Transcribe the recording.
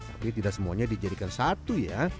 tapi tidak semuanya dijadikan satu ya